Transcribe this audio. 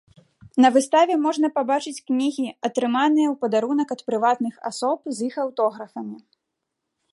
На выставе можна пабачыць кнігі, атрыманыя ў падарунак ад прыватных асоб з іх аўтографамі.